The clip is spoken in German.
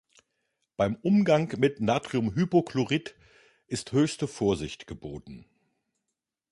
Beim Umgang mit Natriumhypochlorit ist höchste Vorsicht geboten.